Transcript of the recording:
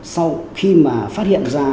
sau khi mà phát hiện ra